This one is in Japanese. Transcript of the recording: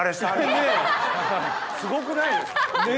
すごくないですか？